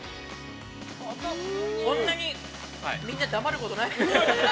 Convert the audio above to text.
◆こんなに、みんな黙ることないですよ。